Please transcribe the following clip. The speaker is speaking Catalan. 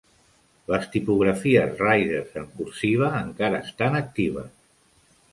Les tipografies Riders en cursiva encara estan actives.